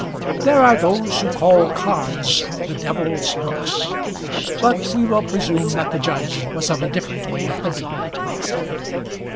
There are those who call cards the devil's books, but we will presume that the judge was of a different way of thinking.